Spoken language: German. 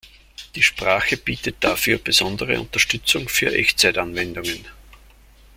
Die Sprache bietet dafür besondere Unterstützung für Echtzeitanwendungen.